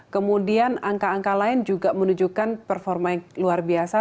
kemudian angka angka lain juga menunjukkan performa yang luar biasa